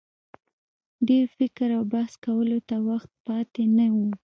ډېر فکر او بحث کولو ته وخت پاته نه وو.